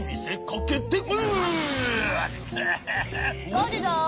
ゴールド。